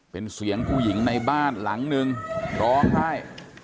เป็นเสียงผู้หญิงในบ้านหลังนึงร้องไห้